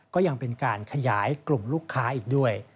ก็ยังเป็นการขยายกลุ่มลูกค้าอีกด้วย